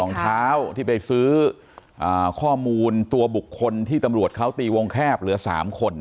รองเท้าที่ไปซื้อข้อมูลตัวบุคคลที่ตำรวจเขาตีวงแคบเหลือ๓คน